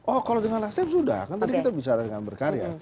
oh kalau dengan nasdem sudah kan tadi kita bicara dengan berkarya